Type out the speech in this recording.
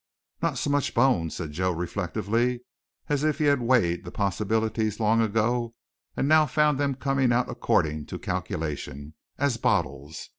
"Not so much bones," said Joe reflectively, as if he had weighed the possibilities long ago and now found them coming out according to calculation, "as bottles.